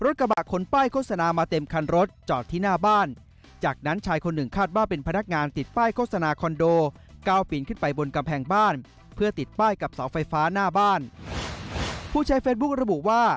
ติดตามจากรายงานครับ